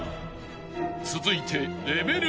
［続いて］